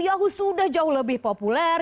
yahu sudah jauh lebih populer